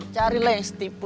carilah yang setipu